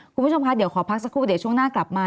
คุณผู้ชมคะเดี๋ยวขอพักสักครู่เดี๋ยวช่วงหน้ากลับมา